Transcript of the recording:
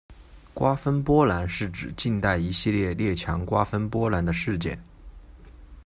瓜分波兰是指近代一系列列强瓜分波兰的事件。